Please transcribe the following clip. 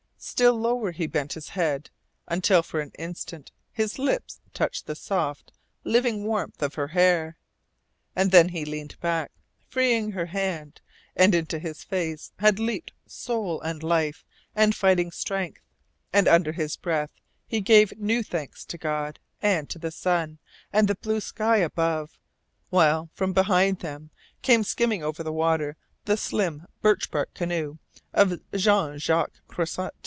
Still lower he bent his head, until for an instant his lips touched the soft, living warmth of her hair. And then he leaned back, freeing her hand, and into his face had leaped soul and life and fighting strength; and under his breath he gave new thanks to God, and to the sun, and the blue sky above, while from behind them came skimming over the water the slim birchbark canoe of Jean Jacques Croisset.